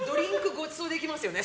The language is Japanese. ごちそうできますよね